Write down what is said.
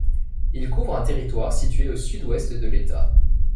Il couvre un territoire situé au sud-ouest de l'État.